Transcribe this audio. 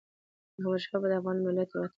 احمدشاه بابا د افغان ملت یو اتل پاچا و.